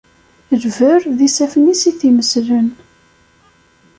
Lberr, d ifassen-is i t-imeslen.